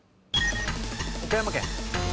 岡山県。